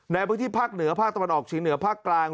ในพื้นที่ภาคเหนือภาคตะวันออกเฉียงเหนือภาคกลาง